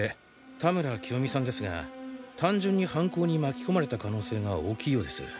田村清美さんですが単純に犯行に巻き込まれた可能性が大きいようです。